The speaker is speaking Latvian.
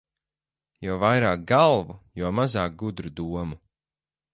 Jo vairāk galvu, jo mazāk gudru domu.